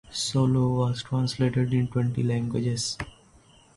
"Solo" was translated into twenty languages.